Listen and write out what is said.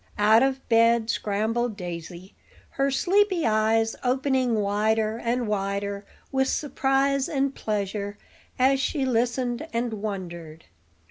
Out of bed scrambled Daisy, her sleepy eyes opening wider and wider with surprise and pleasure as she listened and wondered.